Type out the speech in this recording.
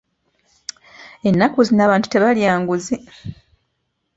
Ennaku zino abantu tebalya nguzi.